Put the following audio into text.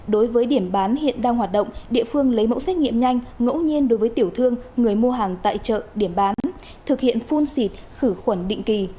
đối với điểm bán hiện đang hoạt động địa phương lấy mẫu xét nghiệm nhanh ngẫu nhiên đối với tiểu thương người mua hàng tại chợ điểm bán thực hiện phun xịt khử khuẩn định kỳ